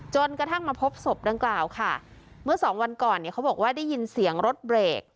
จนกระทั่งมาพบศพดังกล่าวค่ะเมื่อสองวันก่อนเนี่ยเขาบอกว่าได้ยินเสียงรถเบรก